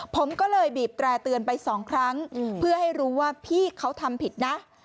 ผมก็เลยบีบแตร่เตือนไปสองครั้งเพื่อให้รู้ว่าพี่เขาทำผิดนะ